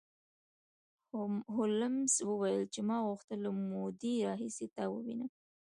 هولمز وویل چې ما غوښتل له مودې راهیسې تا ووینم